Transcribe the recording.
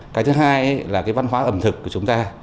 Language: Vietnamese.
cái thứ hai là cái văn hóa ẩm thực của chúng ta